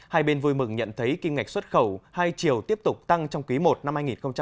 hai bên vui mừng nhận thấy kinh ngạch xuất khẩu hai triệu tiếp tục tăng trong ký một năm hai nghìn hai mươi